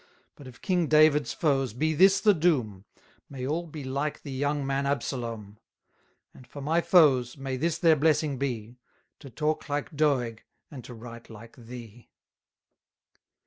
But of king David's foes, be this the doom, May all be like the young man Absalom; And, for my foes, may this their blessing be, To talk like Doeg, and to write like thee!